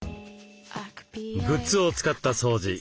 グッズを使った掃除